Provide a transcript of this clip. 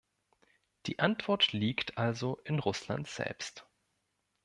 Die Antwort liegt also in Russland selbst.